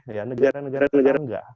diminati oleh negara negara negara